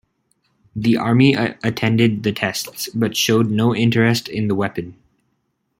The army attended the tests, but showed no interest in the weapon.